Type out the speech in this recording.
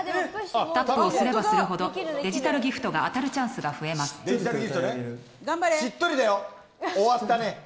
タップをすればするほどデジタルギフトが当たるしっとりだよ。